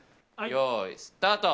ようい、スタート。